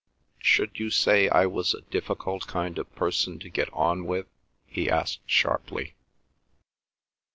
"Should you say I was a difficult kind of person to get on with?" he asked sharply.